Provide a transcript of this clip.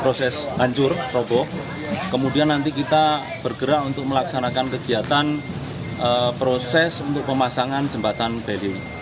proses hancur roboh kemudian nanti kita bergerak untuk melaksanakan kegiatan proses untuk pemasangan jembatan bali